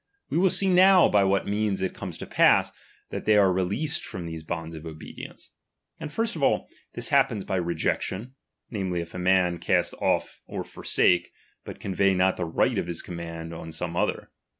We will see now by what means it comes to pass, that they are released from these bonds of obedience. And first of all, DOMINION. this happens by rejection, namely, if a man cast chap. VTli off or forsake, but convey not the rig/U of his g ^halmonin command on some other.